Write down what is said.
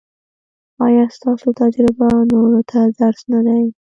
ایا ستاسو تجربه نورو ته درس نه دی؟